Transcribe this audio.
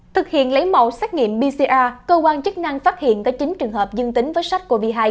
thực hiện lấy mẫu xét nghiệm pcr cơ quan chức năng phát hiện có chín trường hợp dương tính với sars cov hai